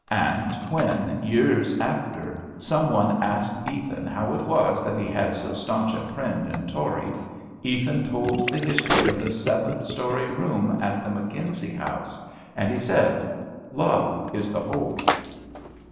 And when, years after, some one asked Ethan how it was that he had so stanch a friend in Torrey, Ethan told the history of the seventh story room at the McKenzie House, and he said, "Love is the whole."